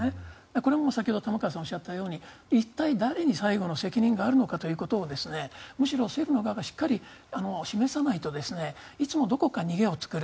これも先ほど玉川さんがおっしゃったように一体、誰に最後の責任があるのかということをむしろ政府側がしっかり示さないといつもどこかに逃げを作る。